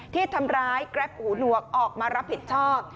ที่ทำร้ายแกรปหูหนวกออกมารับผิดชอบ